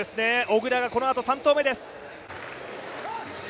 小椋がこのあと３投目です。